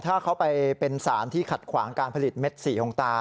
ถ้าเขาไปเป็นสารที่ขัดขวางการผลิตเม็ดสีของตา